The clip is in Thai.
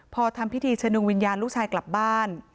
พอทำพิธีชะดวงวิญญาณลูกชายกลับบ้าน